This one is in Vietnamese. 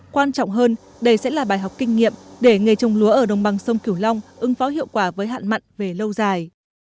quan trọng hơn đây sẽ là bài học kinh nghiệm để nghề trồng lúa ở đồng bằng sông cửu long ứng phó hiệu quả với hạn mặn về lâu dài